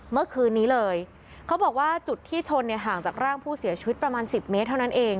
เมื่อคืนนี้เลยเขาบอกว่าจุดที่ชนเนี่ยห่างจากร่างผู้เสียชีวิตประมาณ๑๐เมตรเท่านั้นเอง